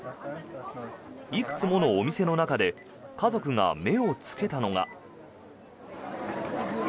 いくつものお店の中で家族が目をつけたのが。